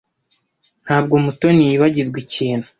Ntabwo Mutoni yibagirwa ikintu?